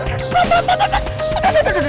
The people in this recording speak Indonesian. aduh aduh aduh aduh aduh